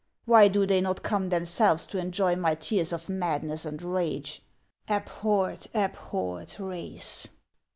why do they not come them selves to enjoy my tears of madness and rage ? Abhorred, abhorred race